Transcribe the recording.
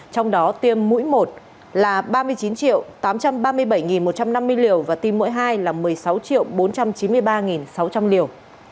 trong đó tiêm mũi một là ba mươi chín tám trăm ba mươi bảy một trăm năm mươi liều và tim mỗi hai là một mươi sáu bốn trăm chín mươi ba sáu trăm linh liều